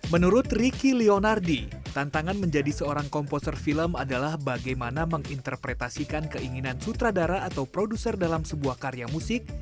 menurut riki lionardi tantangan menjadi seorang komposer film adalah bagaimana menginterpretasikan keinginan sutradara atau produser dalam sebuah karya musik